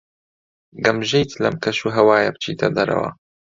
گەمژەیت لەم کەشوهەوایە بچیتە دەرەوە.